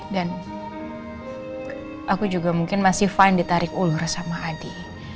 dan aku juga mungkin masih fine ditarik ulur sama adi